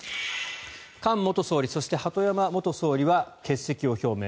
菅元総理、そして鳩山元総理は欠席を表明。